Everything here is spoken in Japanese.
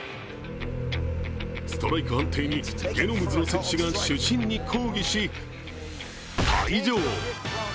ストライク判定にゲノムズの選手が主審に講義し、退場。